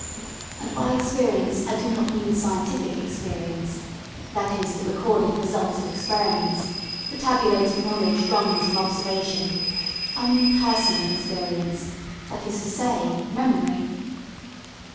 And by experience I do not mean scientific experience, that is the recorded results of experiments, the tabulated knowledge wrung from observation; I mean personal experience, that is to say, memory.